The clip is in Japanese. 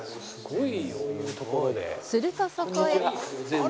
するとそこへ